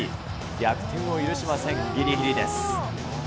逆転を許しません、ぎりぎりです。